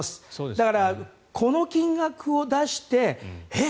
だから、この金額を出してえ？